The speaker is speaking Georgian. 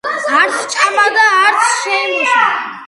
არც ჭამა და არც შეიმოსა